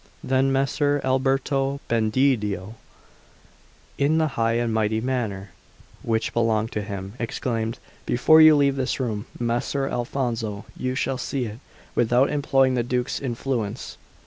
Then Messer Alberto Bendedio, in the high and mighty manner which belonged to him, exclaimed: "Before you leave this room, Messer Alfonso, you shall see it, without employing the Duke's influence."